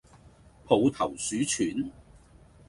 抱頭鼠竄